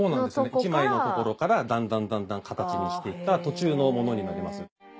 １枚のところからだんだんだんだん形にしていった途中のものになります。